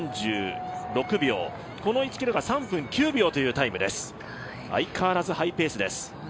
この１ｋｍが３分９秒というタイムです相変わらずハイペースです。